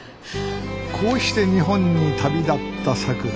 こうして日本に旅立ったさくら。